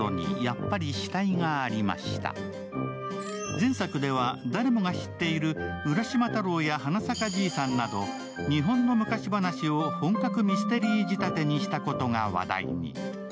前作では誰もが知っている「浦島太郎」や「花咲か爺さん」など日本の昔話を本格ミステリー仕立てにしたことが話題に。